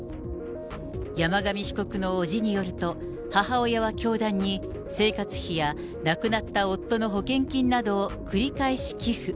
山上被告のおじによると、母親は教団に生活費や亡くなった夫の保険金などを繰り返し寄付。